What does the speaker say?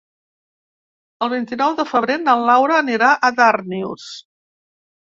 El vint-i-nou de febrer na Laura anirà a Darnius.